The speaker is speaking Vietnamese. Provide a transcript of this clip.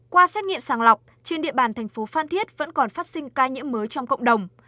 qua xét nghiệm sàng lọc trên địa bàn thành phố phan thiết vẫn còn phát sinh ca nhiễm mới trong cộng đồng